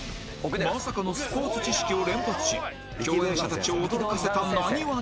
まさかのスポーツ知識を連発し共演者たちを驚かせたなにわ男子